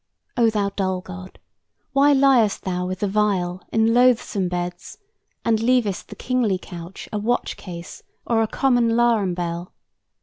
O thou dull god, why liest thou with the vile In loathsome beds, and leav'st the kingly couch A watch case, or a common 'larum bell?